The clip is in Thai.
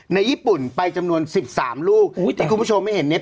ในญี่ปุ่นไปจำนวนสิบสามลูกอุ้ยแต่คุณผู้ชมไม่เห็นเนี้ย